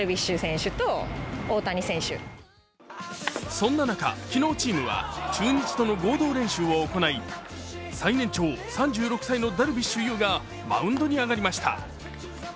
そんな中、昨日チームは中日との合同練習を行い、最年長、３６歳のダルビッシュ有がマウンドに上がりました。